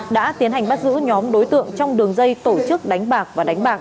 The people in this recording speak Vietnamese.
đã tiến hành bắt giữ nhóm đối tượng trong đường dây tổ chức đánh bạc và đánh bạc